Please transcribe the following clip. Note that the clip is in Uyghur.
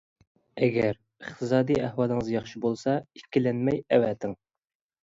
ئەگەر ئىقتىسادى ئەھۋالىڭىز ياخشى بولسا، ئىككىلەنمەي ئەۋەتىڭ.